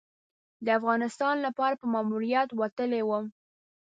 د افغانستان لپاره په ماموریت وتلی وم.